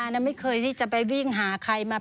ไม่เคยที่จะไปวิ่งหาใครมา